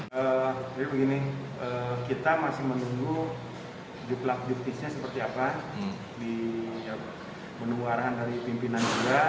jadi begini kita masih menunggu jublah jubisnya seperti apa di penuaran dari pimpinan juga